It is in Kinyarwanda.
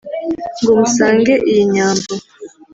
ngo musange iyi nyambo